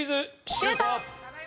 シュート！